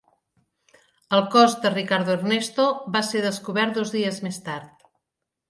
El cos de Ricardo Ernesto va ser descobert dos dies més tard.